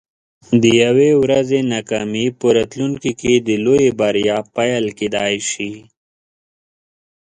د یوې ورځې ناکامي په راتلونکي کې د لویې بریا پیل کیدی شي.